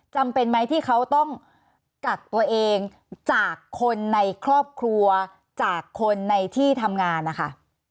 จำเป็นไหมที่เขาต้องกักตัวเองจากคนในครอบครัวจากคนในที่ทำงานนะคะ